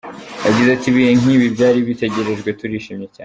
Yagize ati « Ibihe nk’ibi byari bitegerejwe, turishimye cyane.